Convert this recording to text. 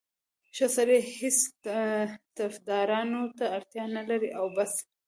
ښه سړی هېڅ طفدارانو ته اړتیا نه لري او بس.